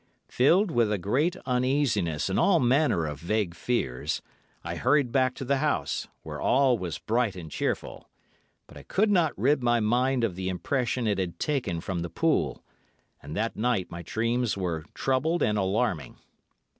"Filled with a great uneasiness and all manner of vague fears, I hurried back to the house, where all was bright and cheerful, but I could not rid my mind of the impression it had taken from the pool, and that night my dreams were troubled and alarming.